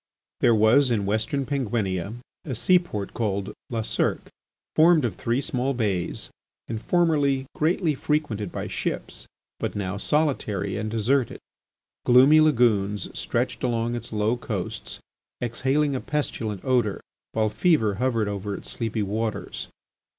There was in Western Penguinia a seaport called La Cirque, formed of three small bays and formerly greatly frequented by ships, but now solitary and deserted. Gloomy lagoons stretched along its low coasts exhaling a pestilent odour, while fever hovered over its sleepy waters.